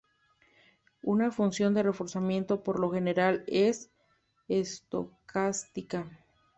Una función de reforzamiento por lo general es estocástica.